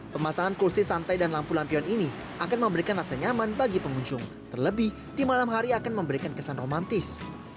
pemasangan kursi santai dan lampu lampion ini akan memberikan rasa nyaman bagi pengunjung terlebih di malam hari akan memberikan kesan romantis